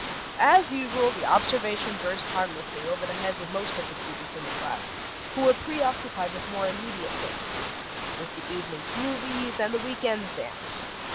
_] As usual, the observation burst harmlessly over the heads of most of the students in the class, who were preoccupied with more immediate things with the evening's movies and the week end's dance.